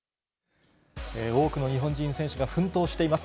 多くの日本人選手が奮闘しています。